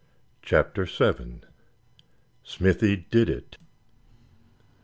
CHAPTER VII. SMITHY DID IT.